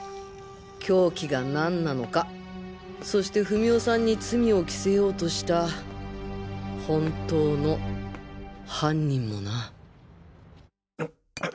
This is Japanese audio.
凶器が何なのかそして史緒さんに罪を着せようとした本当の犯人もな